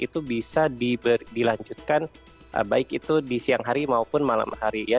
itu bisa dilanjutkan baik itu di siang hari maupun malam hari ya